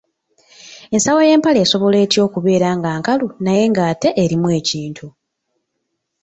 Ensawo y’empale esobola etya okubeera nga nkalu naye ng’ate era erimu ekintu?